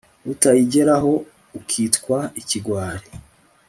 utayigeraho ukitwa ikigwari